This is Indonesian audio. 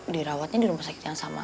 dirawatnya di rumah sakit yang sama